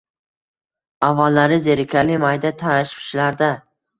Avvallari zerikarli mayda tashvishlarda